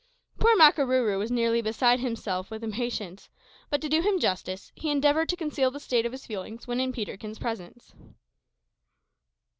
Poor Makarooroo was nearly beside himself with impatience; but to do him justice, he endeavoured to conceal the state of his feelings when in Peterkin's presence.